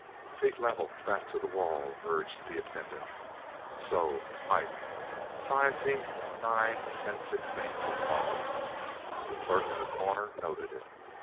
"Feet level, back to the wall," urged the attendant. "So. Height, five feet nine and ten sixteenths," he called. The clerk in the corner noted it.